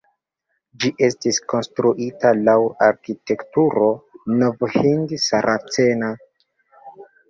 Ĝi estis konstruita laŭ arkitekturo nov-hind-saracena.